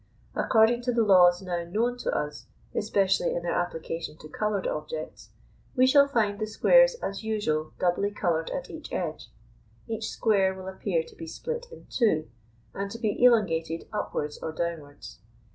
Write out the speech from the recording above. According to the laws now known to us, especially in their application to coloured objects, we shall find the squares as usual doubly coloured at each edge; each square will appear to be split in two, and to be elongated upwards or downwards.